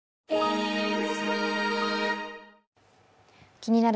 「気になる！